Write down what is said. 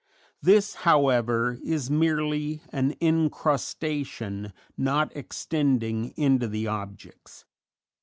This, however, is merely an encrustation, not extending into the objects.